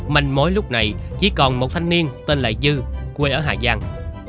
manh mối lúc này chỉ còn một thanh niên tên là dư quê ở hà giang